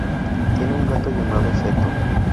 Tiene un gato llamado Seto.